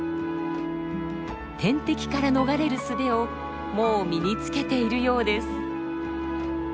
天敵から逃れる術をもう身につけているようです。